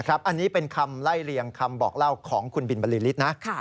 อันนี้เป็นคำไล่เรียงคำบอกเล่าของคุณบินบริษฐ์นะ